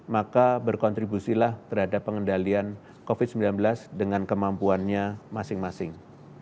maka berkontribusilah terhadap pengendalian covid sembilan belas dengan kemampuannya masing masing